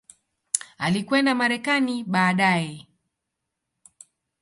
Alikwenda Marekani baadaye.